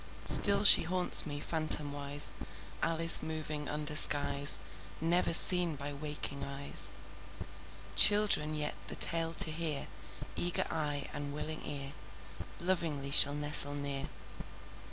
Still she haunts me, phantomwise, Alice moving under skies Never seen by waking eyes. Children yet, the tale to hear, Eager eye and willing ear, Lovingly shall nestle near.